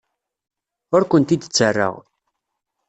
Ur kent-id-ttarraɣ.